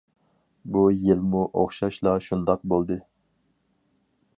بۇ يىلمۇ ئوخشاشلا شۇنداق بولدى.